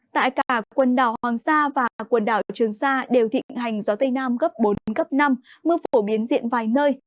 tại cả quần đảo hoàng sa và quần đảo trường sa đều thịnh hành gió tây nam gấp bốn năm mưa phổ biến diện vài nơi